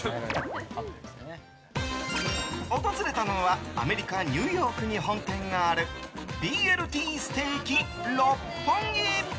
訪れたのはアメリカ・ニューヨークに本店があるＢＬＴＳＴＥＡＫ六本木。